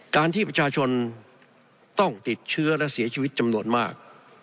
การที่ประชาชนต้องติดเชื้อและเสียชีวิตจำนวนมาก